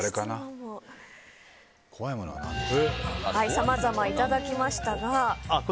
さまざまいただきましたが。